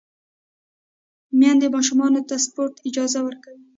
میندې ماشومانو ته د سپورت اجازه ورکوي۔